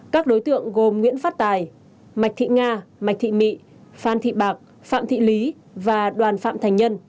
các đối tượng gồm nguyễn phát tài mạch thị nga mạc thị mị phan thị bạc phạm thị lý và đoàn phạm thành nhân